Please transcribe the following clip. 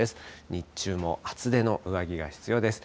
日中も厚手の上着が必要です。